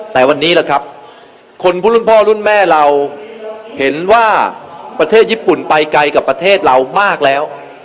แต่วันนี้แหละครับคนผู้รุ่นพ่อรุ่นแม่เราเห็นว่าประเทศญี่ปุ่นไปไกลกับประเทศเรามากแล้ว